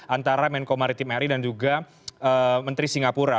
antara menko maritimary dan juga menteri singapura